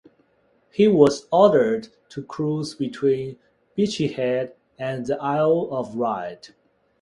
He was ordered to cruise between Beachy Head and the Isle of Wight.